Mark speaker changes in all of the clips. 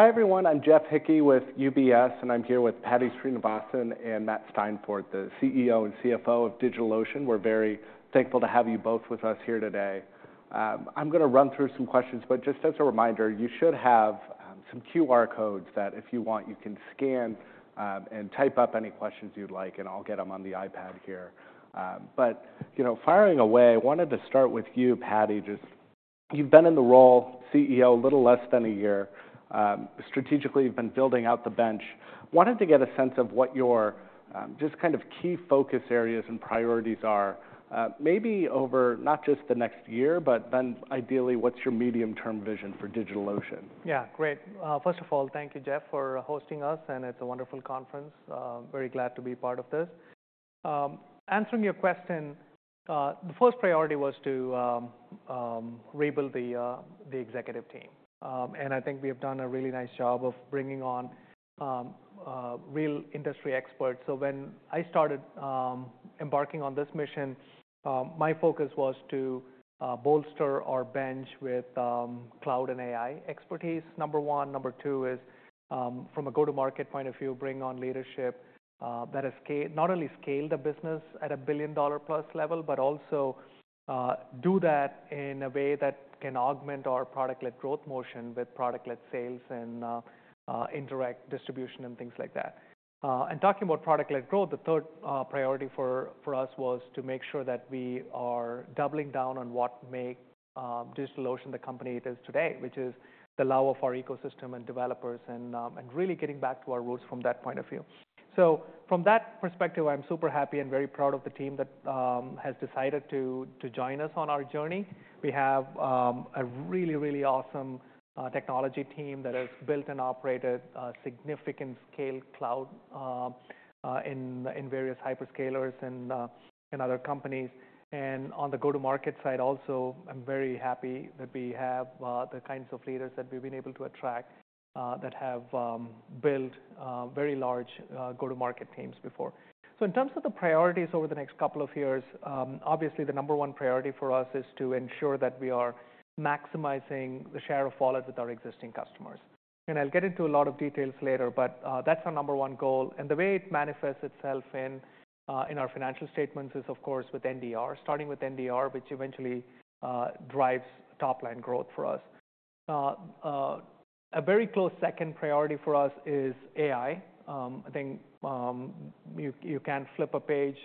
Speaker 1: Hi, everyone. I'm Jeff Hickey with UBS, and I'm here with Paddy Srinivasan and Matt Steinfort, the CEO and CFO of DigitalOcean. We're very thankful to have you both with us here today. I'm going to run through some questions, but just as a reminder, you should have some QR codes that, if you want, you can scan and type up any questions you'd like, and I'll get them on the iPad here. But firing away, I wanted to start with you, Paddy. You've been in the role CEO a little less than a year. Strategically, you've been building out the bench. I wanted to get a sense of what your just kind of key focus areas and priorities are, maybe over not just the next year, but then ideally, what's your medium-term vision for DigitalOcean?
Speaker 2: Yeah, great. First of all, thank you, Jeff, for hosting us, and it's a wonderful conference. Very glad to be part of this. Answering your question, the first priority was to rebuild the executive team, and I think we have done a really nice job of bringing on real industry experts, so when I started embarking on this mission, my focus was to bolster our bench with cloud and AI expertise, number one. Number two is, from a go-to-market point of view, bring on leadership that has not only scaled the business at a billion-dollar-plus level, but also do that in a way that can augment our product-led growth motion with product-led sales and indirect distribution and things like that. Talking about product-led growth, the third priority for us was to make sure that we are doubling down on what makes DigitalOcean the company it is today, which is the love of our ecosystem and developers, and really getting back to our roots from that point of view. From that perspective, I'm super happy and very proud of the team that has decided to join us on our journey. We have a really, really awesome technology team that has built and operated significant-scale cloud in various hyperScalers and other companies. On the go-to-market side, also, I'm very happy that we have the kinds of leaders that we've been able to attract that have built very large go-to-market teams before. In terms of the priorities over the next couple of years, obviously, the number one priority for us is to ensure that we are maximizing the share of wallet with our existing customers. I'll get into a lot of details later, but that's our number one goal. The way it manifests itself in our financial statements is, of course, with NDR, starting with NDR, which eventually drives top-line growth for us. A very close second priority for us is AI. I think you can't flip a page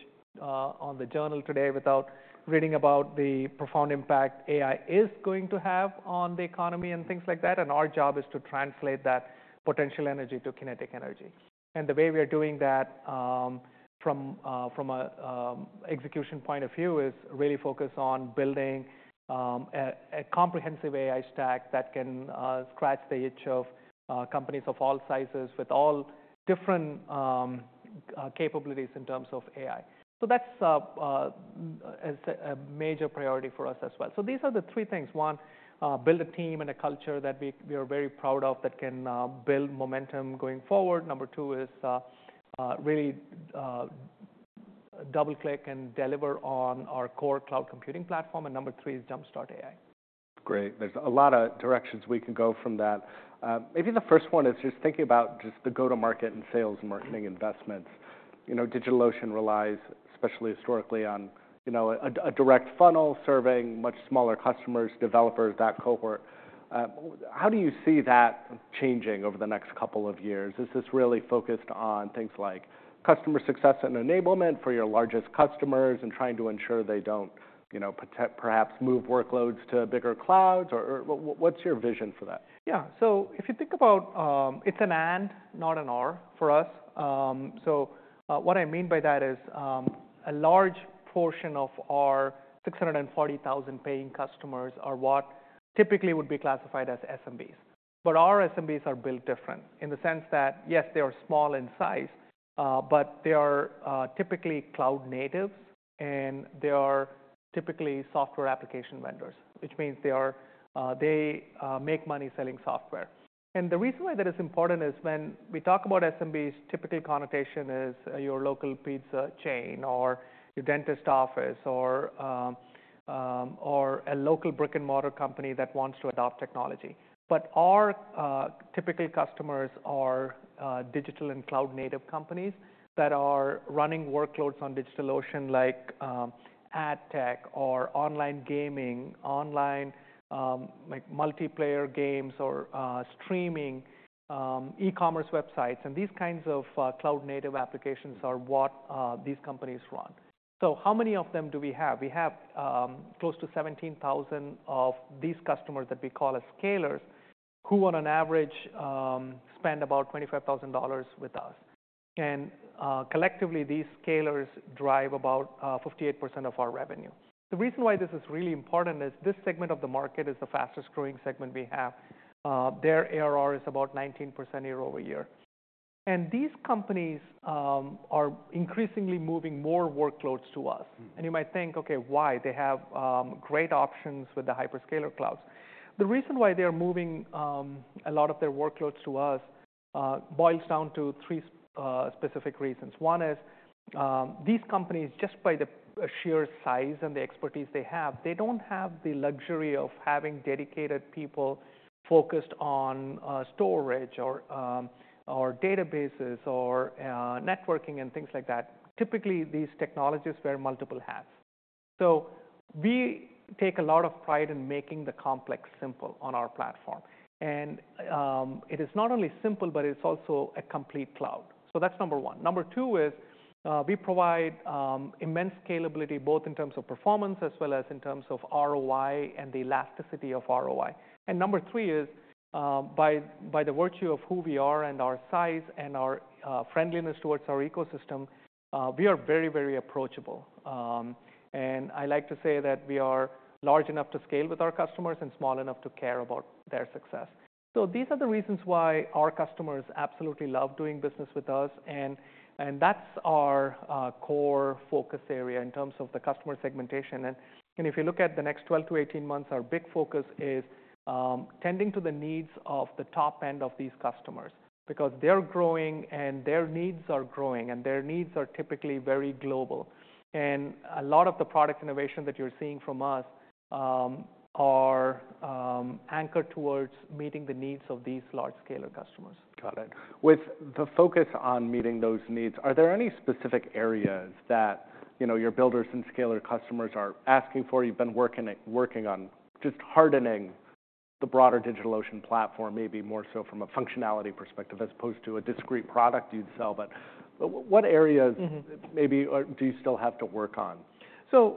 Speaker 2: on the Journal today without reading about the profound impact AI is going to have on the economy and things like that. Our job is to translate that potential energy to kinetic energy. And the way we are doing that from an execution point of view is really focused on building a comprehensive AI stack that can scratch the itch of companies of all sizes with all different capabilities in terms of AI. So that's a major priority for us as well. So these are the three things. One, build a team and a culture that we are very proud of that can build momentum going forward. Number two is really double-click and deliver on our core cloud computing platform. And number three is Jumpstart AI.
Speaker 1: Great. There's a lot of directions we can go from that. Maybe the first one is just thinking about just the go-to-market and sales and marketing investments. DigitalOcean relies especially historically on a direct funnel serving much smaller customers, developers, that cohort. How do you see that changing over the next couple of years? Is this really focused on things like customer success and enablement for your largest customers and trying to ensure they don't perhaps move workloads to bigger clouds? Or what's your vision for that?
Speaker 2: Yeah. So if you think about it, it's an and, not an or, for us. So what I mean by that is a large portion of our 640,000 paying customers are what typically would be classified as SMBs. But our SMBs are built different in the sense that, yes, they are small in size, but they are typically cloud natives, and they are typically software application vendors, which means they make money selling software. And the reason why that is important is when we talk about SMBs, typical connotation is your local pizza chain or your dentist office or a local brick-and-mortar company that wants to adopt technology. But our typical customers are digital and cloud-native companies that are running workloads on DigitalOcean, like ad tech or online gaming, online multiplayer games or streaming, e-commerce websites. And these kinds of cloud-native applications are what these companies run. So how many of them do we have? We have close to 17,000 of these customers that we call Scalers who, on average, spend about $25,000 with us. And collectively, these Scalers drive about 58% of our revenue. The reason why this is really important is this segment of the market is the fastest-growing segment we have. Their ARR is about 19% year-over-year. And these companies are increasingly moving more workloads to us. And you might think, OK, why? They have great options with the hyperscaler clouds. The reason why they are moving a lot of their workloads to us boils down to three specific reasons. One is these companies, just by the sheer size and the expertise they have, they don't have the luxury of having dedicated people focused on storage or databases or networking and things like that. Typically, these technologies wear multiple hats. So we take a lot of pride in making the complex simple on our platform. And it is not only simple, but it's also a complete cloud. So that's number one. Number two is we provide immense scalability, both in terms of performance as well as in terms of ROI and the elasticity of ROI. And number three is, by the virtue of who we are and our size and our friendliness towards our ecosystem, we are very, very approachable. And I like to say that we are large enough to scale with our customers and small enough to care about their success. So these are the reasons why our customers absolutely love doing business with us. And that's our core focus area in terms of the customer segmentation. If you look at the next 12 to 18 months, our big focus is tending to the needs of the top end of these customers because they're growing and their needs are growing. Their needs are typically very global. A lot of the product innovation that you're seeing from us are anchored towards meeting the needs of these large-scale customers.
Speaker 1: Got it. With the focus on meeting those needs, are there any specific areas that your Builders and Scalers customers are asking for? You've been working on just hardening the broader DigitalOcean platform, maybe more so from a functionality perspective as opposed to a discrete product you'd sell. But what areas maybe do you still have to work on?
Speaker 2: There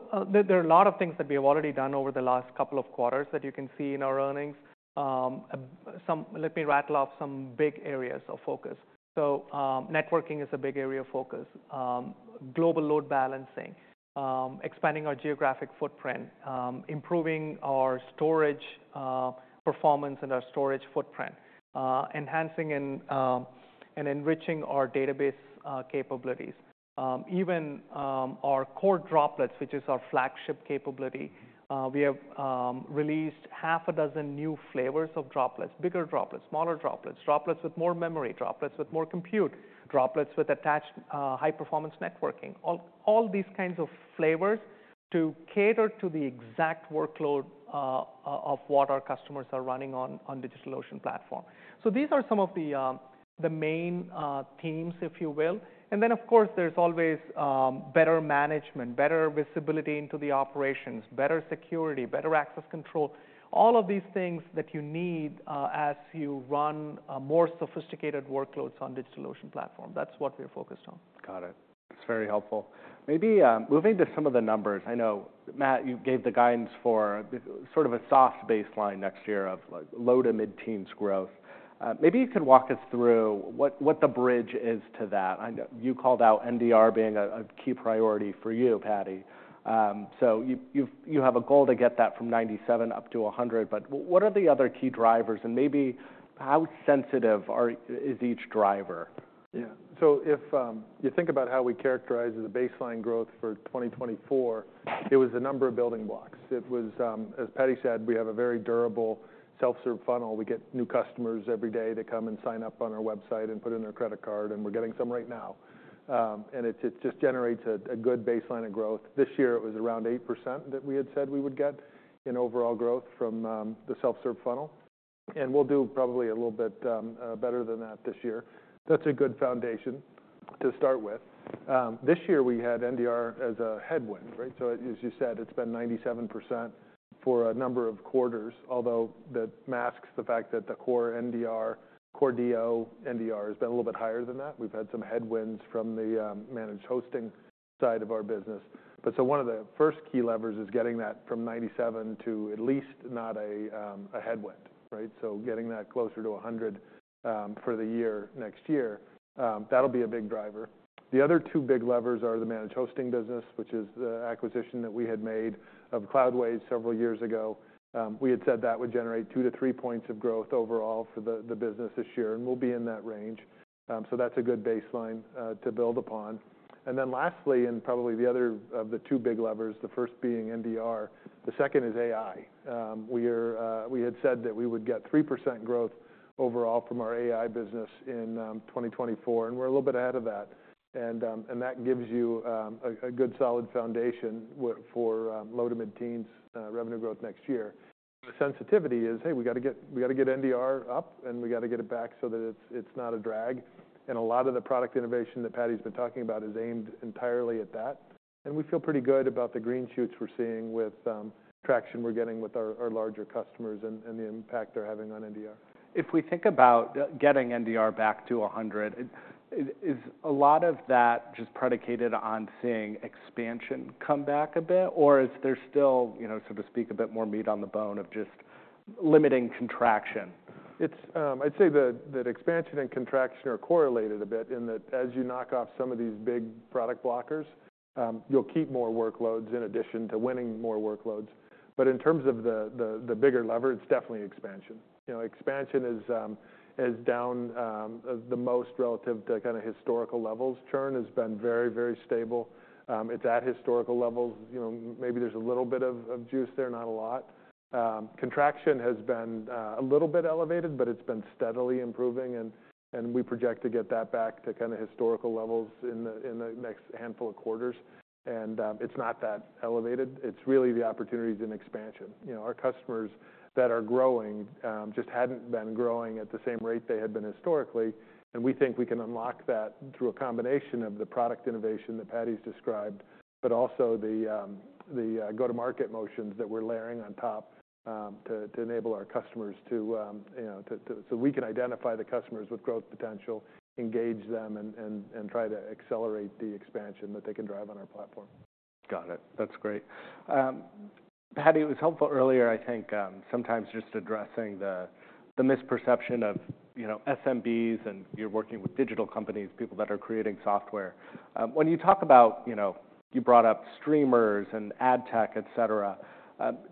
Speaker 2: are a lot of things that we have already done over the last couple of quarters that you can see in our earnings. Let me rattle off some big areas of focus. Networking is a big area of focus, global load balancing, expanding our geographic footprint, improving our storage performance and our storage footprint, enhancing and enriching our database capabilities. Even our core Droplets, which is our flagship capability, we have released half a dozen new flavors of Droplets: bigger Droplets, smaller Droplets, Droplets with more memory, Droplets with more compute, Droplets with attached high-performance networking, all these kinds of flavors to cater to the exact workload of what our customers are running on the DigitalOcean platform. These are some of the main themes, if you will. And then, of course, there's always better management, better visibility into the operations, better security, better access control, all of these things that you need as you run more sophisticated workloads on the DigitalOcean platform. That's what we're focused on.
Speaker 1: Got it. That's very helpful. Maybe moving to some of the numbers. I know, Matt, you gave the guidance for sort of a soft baseline next year of low to mid-teens growth. Maybe you could walk us through what the bridge is to that. You called out NDR being a key priority for you, Paddy. So you have a goal to get that from 97 up to 100. But what are the other key drivers? And maybe how sensitive is each driver?
Speaker 3: Yeah. So if you think about how we characterize the baseline growth for 2024, it was the number of building blocks. It was, as Paddy said, we have a very durable self-serve funnel. We get new customers every day. They come and sign up on our website and put in their credit card. And we're getting some right now. And it just generates a good baseline of growth. This year, it was around 8% that we had said we would get in overall growth from the self-serve funnel. And we'll do probably a little bit better than that this year. That's a good foundation to start with. This year, we had NDR as a headwind. So as you said, it's been 97% for a number of quarters, although that masks the fact that the core NDR, core DO NDR has been a little bit higher than that. We've had some headwinds from the managed hosting side of our business, but so one of the first key levers is getting that from 97 to at least not a headwind. So getting that closer to 100 for the year next year, that'll be a big driver. The other two big levers are the managed hosting business, which is the acquisition that we had made of Cloudways several years ago. We had said that would generate two to three points of growth overall for the business this year, and we'll be in that range. So that's a good baseline to build upon, and then lastly, and probably the other of the two big levers, the first being NDR, the second is AI. We had said that we would get 3% growth overall from our AI business in 2024, and we're a little bit ahead of that. That gives you a good solid foundation for low to mid-teens revenue growth next year. The sensitivity is, hey, we've got to get NDR up, and we've got to get it back so that it's not a drag. A lot of the product innovation that Paddy's been talking about is aimed entirely at that. We feel pretty good about the green shoots we're seeing with traction we're getting with our larger customers and the impact they're having on NDR.
Speaker 1: If we think about getting NDR back to 100, is a lot of that just predicated on seeing expansion come back a bit? Or is there still, so to speak, a bit more meat on the bone of just limiting contraction?
Speaker 3: I'd say that expansion and contraction are correlated a bit in that as you knock off some of these big product blockers, you'll keep more workloads in addition to winning more workloads, but in terms of the bigger lever, it's definitely expansion. Expansion is down the most relative to kind of historical levels. Churn has been very, very stable. It's at historical levels. Maybe there's a little bit of juice there, not a lot. Contraction has been a little bit elevated, but it's been steadily improving, and we project to get that back to kind of historical levels in the next handful of quarters, and it's not that elevated. It's really the opportunities in expansion. Our customers that are growing just hadn't been growing at the same rate they had been historically. We think we can unlock that through a combination of the product innovation that Paddy's described, but also the go-to-market motions that we're layering on top to enable our customers, so we can identify the customers with growth potential, engage them, and try to accelerate the expansion that they can drive on our platform.
Speaker 1: Got it. That's great. Paddy, it was helpful earlier, I think, sometimes just addressing the misperception of SMBs and you're working with digital companies, people that are creating software. When you talk about you brought up streamers and ad tech, et cetera,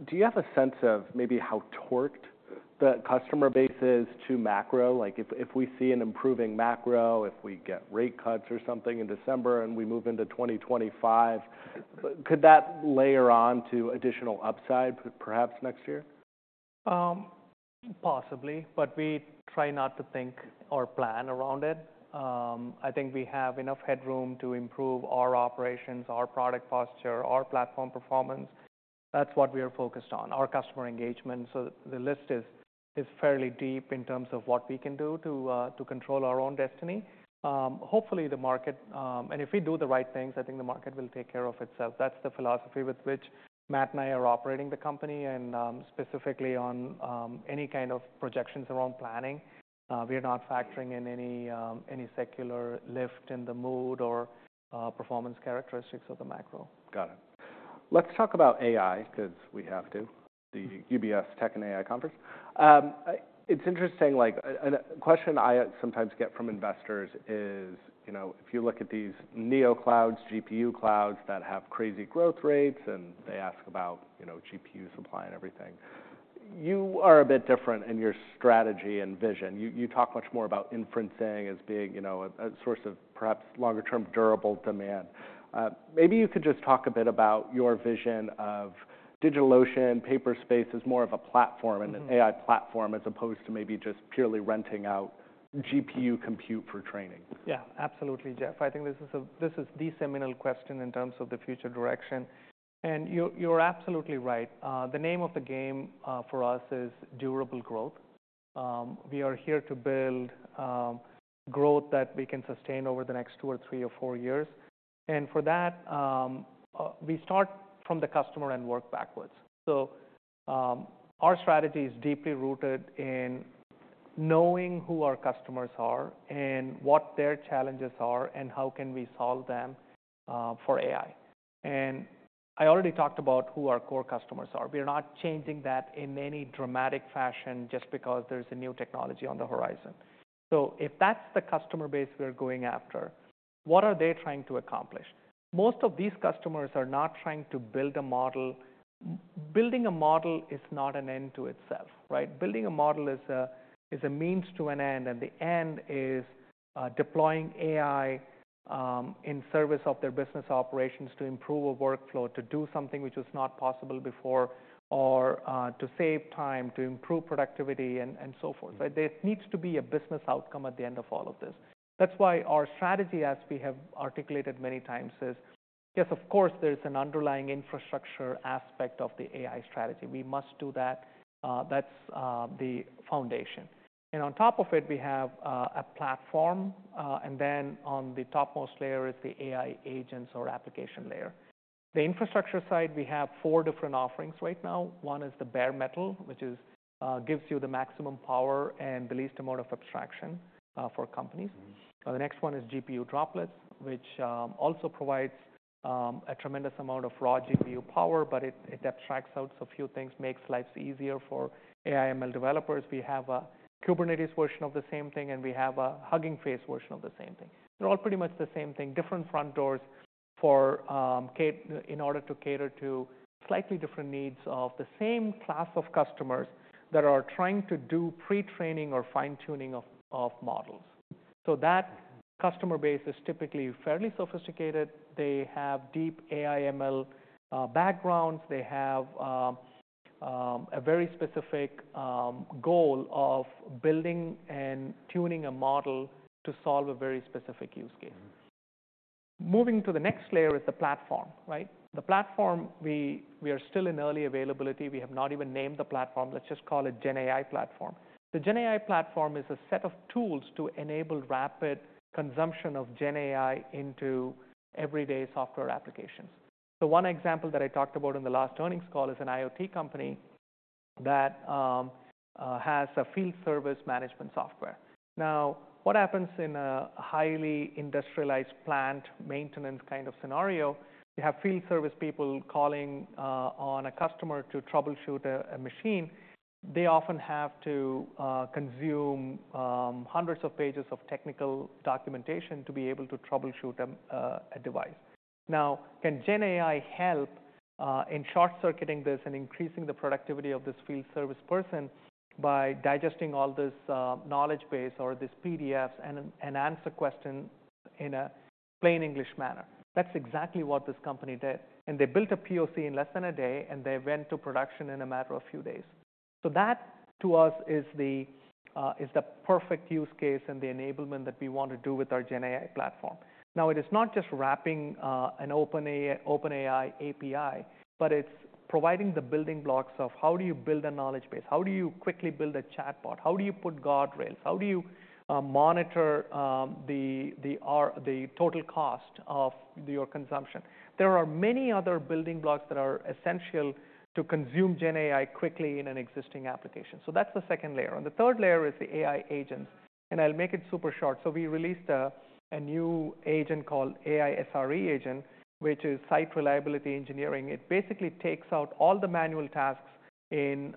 Speaker 1: do you have a sense of maybe how tied the customer base is to macro? If we see an improving macro, if we get rate cuts or something in December and we move into 2025, could that layer on to additional upside, perhaps, next year?
Speaker 2: Possibly. But we try not to think or plan around it. I think we have enough headroom to improve our operations, our product posture, our platform performance. That's what we are focused on, our customer engagement. So the list is fairly deep in terms of what we can do to control our own destiny. Hopefully, the market and if we do the right things, I think the market will take care of itself. That's the philosophy with which Matt and I are operating the company. And specifically on any kind of projections around planning, we are not factoring in any secular lift in the mood or performance characteristics of the macro.
Speaker 1: Got it. Let's talk about AI because we have to, the UBS Tech and AI Conference. It's interesting. A question I sometimes get from investors is if you look at these neo clouds, GPU clouds that have crazy growth rates, and they ask about GPU supply and everything, you are a bit different in your strategy and vision. You talk much more about inferencing as being a source of perhaps longer-term durable demand. Maybe you could just talk a bit about your vision of DigitalOcean Paperspace as more of a platform and an AI platform as opposed to maybe just purely renting out GPU compute for training.
Speaker 2: Yeah, absolutely, Jeff. I think this is a seminal question in terms of the future direction. And you're absolutely right. The name of the game for us is durable growth. We are here to build growth that we can sustain over the next two or three or four years. And for that, we start from the customer and work backwards. So our strategy is deeply rooted in knowing who our customers are and what their challenges are and how can we solve them for AI. And I already talked about who our core customers are. We are not changing that in any dramatic fashion just because there's a new technology on the horizon. So if that's the customer base we're going after, what are they trying to accomplish? Most of these customers are not trying to build a model. Building a model is not an end in itself. Building a model is a means to an end. And the end is deploying AI in service of their business operations to improve a workflow, to do something which was not possible before, or to save time, to improve productivity, and so forth. So there needs to be a business outcome at the end of all of this. That's why our strategy, as we have articulated many times, is yes, of course, there's an underlying infrastructure aspect of the AI strategy. We must do that. That's the foundation. And on top of it, we have a platform. And then on the topmost layer is the AI agents or application layer. The infrastructure side, we have four different offerings right now. One is the bare metal, which gives you the maximum power and the least amount of abstraction for companies. The next one is GPU Droplets, which also provides a tremendous amount of raw GPU power, but it abstracts out so few things, makes lives easier for AI/ML developers. We have a Kubernetes version of the same thing, and we have a Hugging Face version of the same thing. They're all pretty much the same thing, different front doors in order to cater to slightly different needs of the same class of customers that are trying to do pretraining or fine-tuning of models. So that customer base is typically fairly sophisticated. They have deep AI/ML backgrounds. They have a very specific goal of building and tuning a model to solve a very specific use case. Moving to the next layer is the platform. The platform, we are still in early availability. We have not even named the platform. Let's just call it GenAI Platform. The GenAI Platform is a set of tools to enable rapid consumption of GenAI into everyday software applications. So one example that I talked about in the last earnings call is an IoT company that has a field service management software. Now, what happens in a highly industrialized plant maintenance kind of scenario? You have field service people calling on a customer to troubleshoot a machine. They often have to consume hundreds of pages of technical documentation to be able to troubleshoot a device. Now, can GenAI help in short-circuiting this and increasing the productivity of this field service person by digesting all this knowledge base or these PDFs and answer questions in a plain English manner? That's exactly what this company did. And they built a POC in less than a day, and they went to production in a matter of a few days. So that, to us, is the perfect use case and the enablement that we want to do with our GenAI Platform. Now, it is not just wrapping an OpenAI API, but it's providing the building blocks of how do you build a knowledge base, how do you quickly build a chatbot, how do you put guardrails, how do you monitor the total cost of your consumption. There are many other building blocks that are essential to consume GenAI quickly in an existing application. So that's the second layer. And the third layer is the AI agents. And I'll make it super short. So we released a new agent called AI SRE Agent, which is Site Reliability Engineering. It basically takes out all the manual tasks in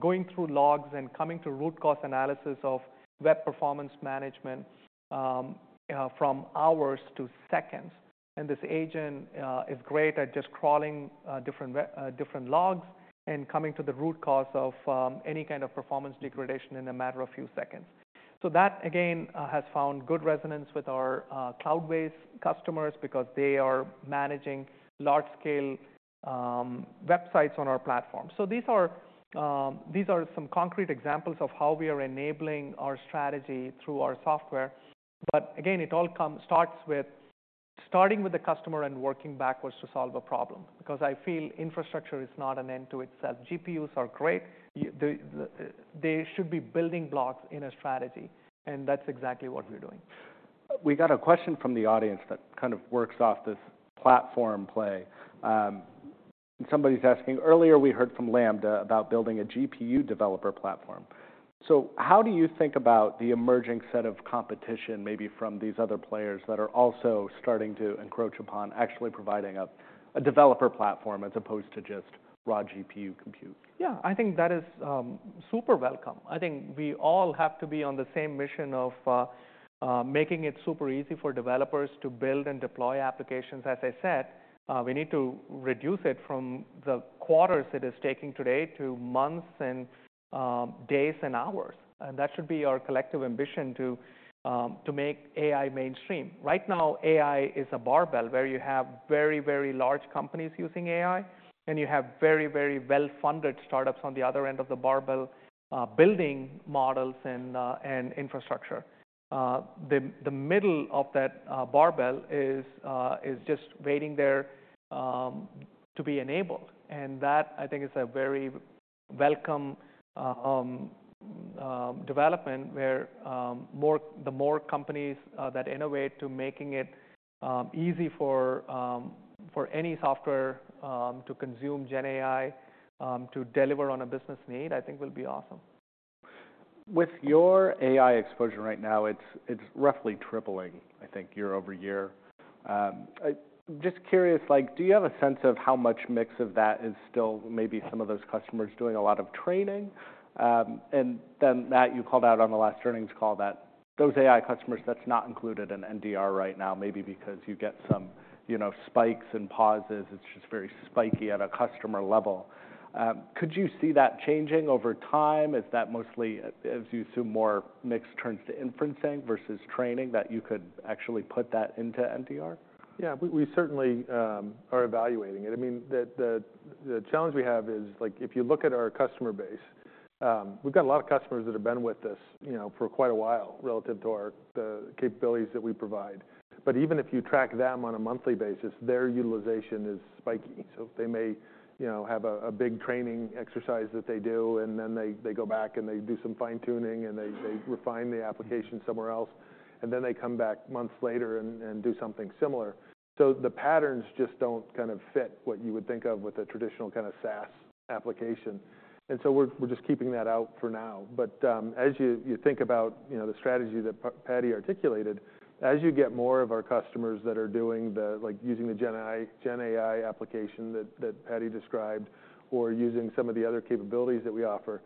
Speaker 2: going through logs and coming to root cause analysis of web performance management from hours to seconds. This agent is great at just crawling different logs and coming to the root cause of any kind of performance degradation in a matter of a few seconds. So that, again, has found good resonance with our Cloudways customers because they are managing large-scale websites on our platform. So these are some concrete examples of how we are enabling our strategy through our software. But again, it all starts with starting with the customer and working backwards to solve a problem because I feel infrastructure is not an end in itself. GPUs are great. They should be building blocks in a strategy. And that's exactly what we're doing.
Speaker 1: We got a question from the audience that kind of works off this platform play. Somebody's asking, earlier, we heard from Lambda about building a GPU developer platform. So how do you think about the emerging set of competition, maybe from these other players that are also starting to encroach upon actually providing a developer platform as opposed to just raw GPU compute?
Speaker 2: Yeah, I think that is super welcome. I think we all have to be on the same mission of making it super easy for developers to build and deploy applications. As I said, we need to reduce it from the quarters it is taking today to months and days and hours. And that should be our collective ambition to make AI mainstream. Right now, AI is a barbell where you have very, very large companies using AI, and you have very, very well-funded startups on the other end of the barbell building models and infrastructure. The middle of that barbell is just waiting there to be enabled. And that, I think, is a very welcome development where the more companies that innovate to making it easy for any software to consume GenAI to deliver on a business need, I think, will be awesome.
Speaker 1: With your AI exposure right now, it's roughly tripling, I think, year-over-year. Just curious, do you have a sense of how much mix of that is still maybe some of those customers doing a lot of training? And then, Matt, you called out on the last earnings call that those AI customers, that's not included in NDR right now, maybe because you get some spikes and pauses. It's just very spiky at a customer level. Could you see that changing over time? Is that mostly, as you assume, more mixed turns to inferencing versus training that you could actually put that into NDR?
Speaker 3: Yeah, we certainly are evaluating it. I mean, the challenge we have is if you look at our customer base, we've got a lot of customers that have been with us for quite a while relative to the capabilities that we provide. But even if you track them on a monthly basis, their utilization is spiky. So they may have a big training exercise that they do, and then they go back and they do some fine-tuning, and they refine the application somewhere else. And then they come back months later and do something similar. So the patterns just don't kind of fit what you would think of with a traditional kind of SaaS application, and so we're just keeping that out for now. But as you think about the strategy that Paddy articulated, as you get more of our customers that are using the GenAI application that Paddy described or using some of the other capabilities that we offer,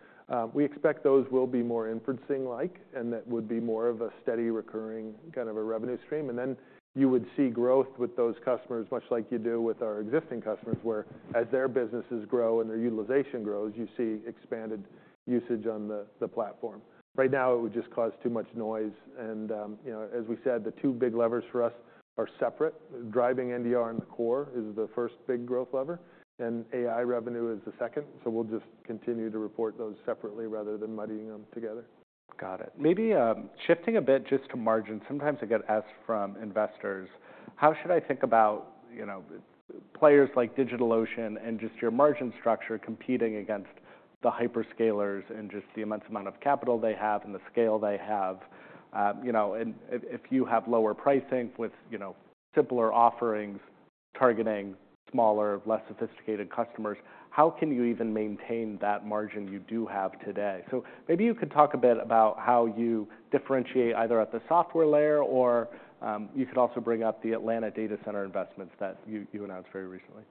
Speaker 3: we expect those will be more inferencing-like and that would be more of a steady, recurring kind of a revenue stream. And then you would see growth with those customers, much like you do with our existing customers, where as their businesses grow and their utilization grows, you see expanded usage on the platform. Right now, it would just cause too much noise. And as we said, the two big levers for us are separate. Driving NDR in the core is the first big growth lever. And AI revenue is the second. So we'll just continue to report those separately rather than muddying them together.
Speaker 1: Got it. Maybe shifting a bit just to margins, sometimes I get asked from investors, how should I think about players like DigitalOcean and just your margin structure competing against the hyperScalers and just the immense amount of capital they have and the scale they have? And if you have lower pricing with simpler offerings targeting smaller, less sophisticated customers, how can you even maintain that margin you do have today? So maybe you could talk a bit about how you differentiate either at the software layer or you could also bring up the Atlanta data center investments that you announced very recently.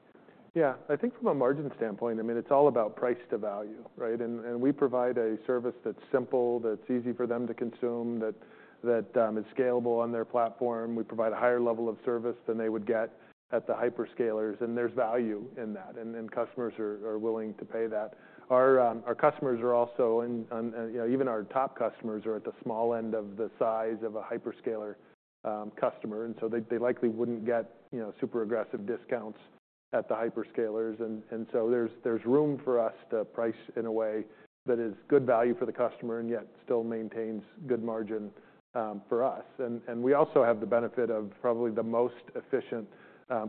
Speaker 3: Yeah, I think from a margin standpoint, I mean, it's all about price to value. And we provide a service that's simple, that's easy for them to consume, that is scalable on their platform. We provide a higher level of service than they would get at the hyperScalers. And there's value in that. And customers are willing to pay that. Our customers are also, even our top customers, are at the small end of the size of a hyperscaler customer. And so they likely wouldn't get super aggressive discounts at the hyperScalers. And so there's room for us to price in a way that is good value for the customer and yet still maintains good margin for us. And we also have the benefit of probably the most efficient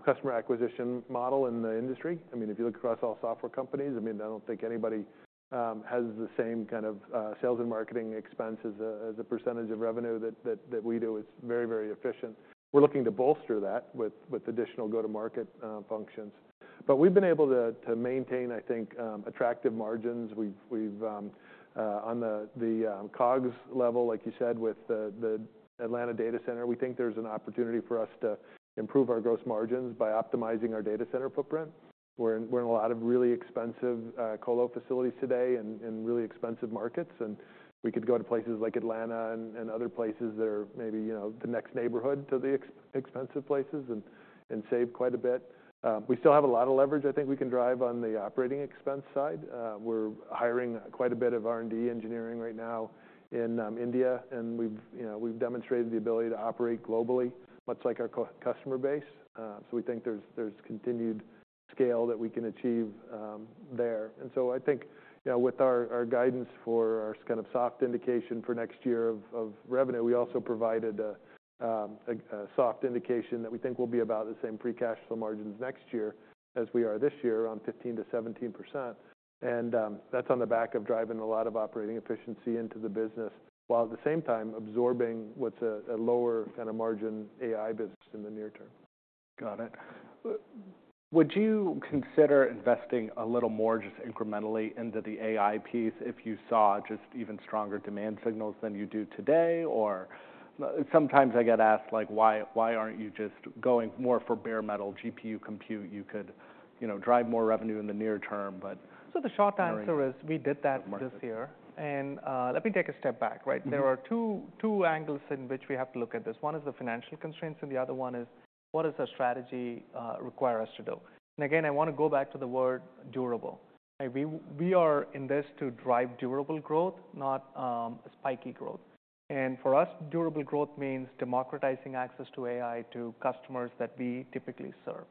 Speaker 3: customer acquisition model in the industry. I mean, if you look across all software companies, I mean, I don't think anybody has the same kind of sales and marketing expenses as a percentage of revenue that we do. It's very, very efficient. We're looking to bolster that with additional go-to-market functions. But we've been able to maintain, I think, attractive margins. On the COGS level, like you said, with the Atlanta data center, we think there's an opportunity for us to improve our gross margins by optimizing our data center footprint. We're in a lot of really expensive colo facilities today and really expensive markets. And we could go to places like Atlanta and other places that are maybe the next neighborhood to the expensive places and save quite a bit. We still have a lot of leverage, I think, we can drive on the operating expense side. We're hiring quite a bit of R&D engineering right now in India, and we've demonstrated the ability to operate globally, much like our customer base, so we think there's continued scale that we can achieve there, and so I think with our guidance for our kind of soft indication for next year of revenue, we also provided a soft indication that we think will be about the same free cash flow margins next year as we are this year, around 15%-17%, and that's on the back of driving a lot of operating efficiency into the business while at the same time absorbing what's a lower kind of margin AI business in the near term.
Speaker 1: Got it. Would you consider investing a little more just incrementally into the AI piece if you saw just even stronger demand signals than you do today? Or sometimes I get asked, like, why aren't you just going more for bare metal GPU compute? You could drive more revenue in the near term, but.
Speaker 2: So the short answer is we did that this year. And let me take a step back. There are two angles in which we have to look at this. One is the financial constraints, and the other one is what does our strategy require us to do? And again, I want to go back to the word durable. We are in this to drive durable growth, not spiky growth. And for us, durable growth means democratizing access to AI to customers that we typically serve.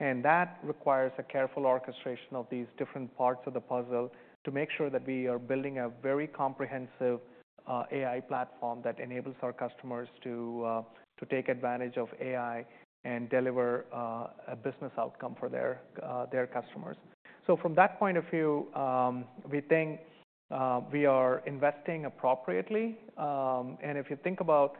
Speaker 2: And that requires a careful orchestration of these different parts of the puzzle to make sure that we are building a very comprehensive AI platform that enables our customers to take advantage of AI and deliver a business outcome for their customers. So from that point of view, we think we are investing appropriately. And if you think about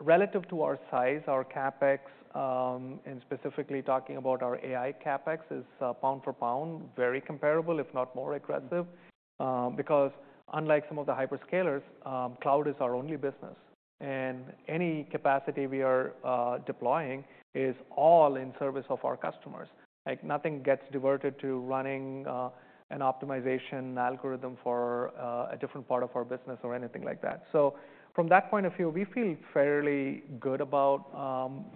Speaker 2: relative to our size, our CapEx, and specifically talking about our AI CapEx, is pound for pound very comparable, if not more aggressive. Because unlike some of the hyperScalers, cloud is our only business. And any capacity we are deploying is all in service of our customers. Nothing gets diverted to running an optimization algorithm for a different part of our business or anything like that. So from that point of view, we feel fairly good about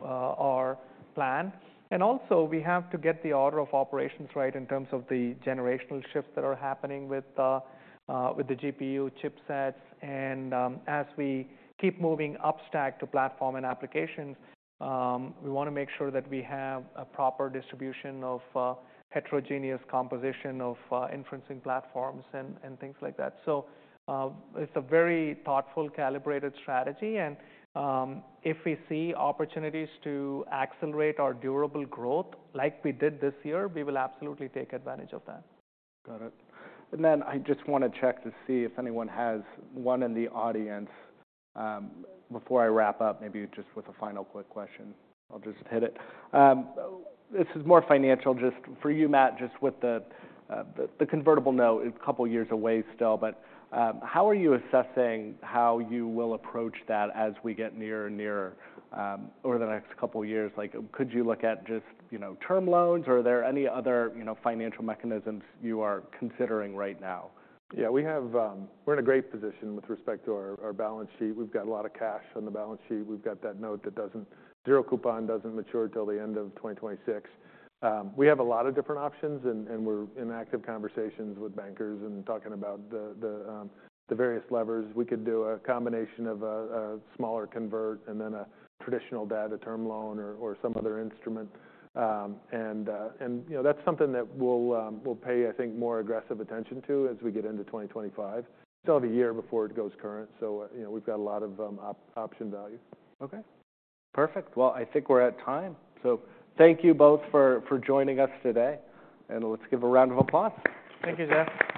Speaker 2: our plan. And also, we have to get the order of operations right in terms of the generational shifts that are happening with the GPU chipsets. And as we keep moving upstack to platform and applications, we want to make sure that we have a proper distribution of heterogeneous composition of inferencing platforms and things like that. So it's a very thoughtful, calibrated strategy. If we see opportunities to accelerate our durable growth like we did this year, we will absolutely take advantage of that.
Speaker 1: Got it. And then I just want to check to see if anyone has one in the audience before I wrap up, maybe just with a final quick question. I'll just hit it. This is more financial just for you, Matt, just with the convertible note, a couple of years away still. But how are you assessing how you will approach that as we get near and near over the next couple of years? Could you look at just term loans? Or are there any other financial mechanisms you are considering right now?
Speaker 3: Yeah, we're in a great position with respect to our balance sheet. We've got a lot of cash on the balance sheet. We've got that zero-coupon note that doesn't mature until the end of 2026. We have a lot of different options, and we're in active conversations with bankers and talking about the various levers. We could do a combination of a smaller convert and then a traditional straight debt term loan or some other instrument. And that's something that we'll pay, I think, more aggressive attention to as we get into 2025, still have a year before it goes current, so we've got a lot of option value.
Speaker 1: OK, perfect. Well, I think we're at time. So thank you both for joining us today. And let's give a round of applause. Thank you, Jeff.